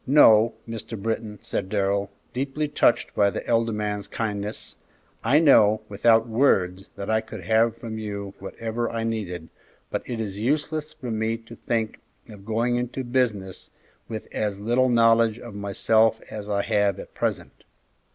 "No, Mr. Britton," said Darrell, deeply touched by the elder man's kindness; "I know, without words, that I could have from you whatever I needed, but it is useless for me to think of going into business with as little knowledge of myself as I have at present.